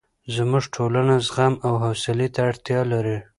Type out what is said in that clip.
زموږ ټولنه زغم او حوصلې ته اړتیا لري.